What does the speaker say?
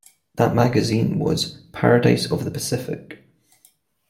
That magazine was "Paradise of the Pacific".